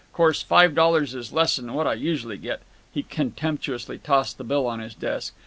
Course five dollars is less 'n what I usually get." He contemptuously tossed the bill on his desk.